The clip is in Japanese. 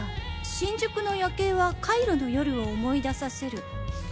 新宿の夜景はカイロの夜を思い出させる。